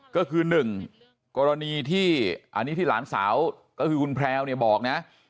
ก็คือ๑กรณีที่อันนี้ที่หลานสาวก็คือคุณแพรวเนี่ยบอกนะ